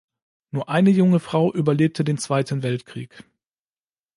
Nur eine junge Frau überlebte den Zweiten Weltkrieg.